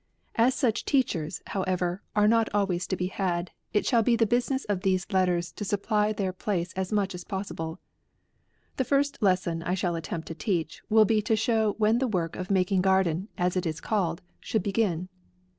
As such teachers, however, are not always to be had, it shall be the business of these letters to supply their place as much as possible. The first lesson I shall attempt to teach, will be to show when the work of making garden, as it is called, should begin.